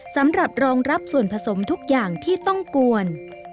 สำหรับรองรับส่วนผสมทุกอย่างที่ต้องกวน